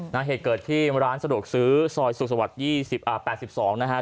นะเหตุเกิดที่ร้านสะดวกซื้อซอยสุขสวรรค์ยี่สิบอ่าแปดสิบสองนะฮะ